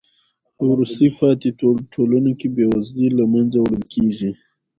په وروسته پاتې ټولنو کې بې وزلۍ له منځه وړل کیږي.